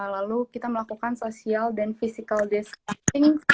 lalu kita melakukan social dan physical discussing